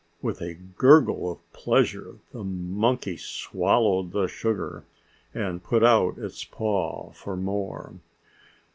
With a gurgle of pleasure, the monkey swallowed the sugar and put out its paw for more.